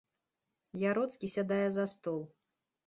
Яроцкі сядае за стол.